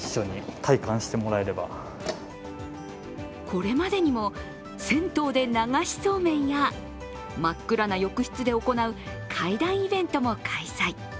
これまでにも、銭湯で流しそうめんや真っ暗な浴室で行う怪談イベントも開催。